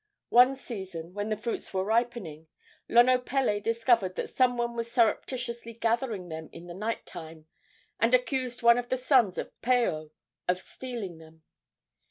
One season, when the fruits were ripening, Lonopele discovered that some one was surreptitiously gathering them in the night time, and accused one of the sons of Paao of stealing them.